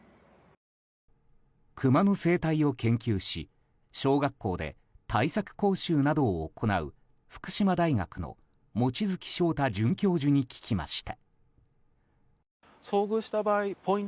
クマの生態を研究し小学校で対策講習などを行う福島大学の望月翔太准教授に聞きました。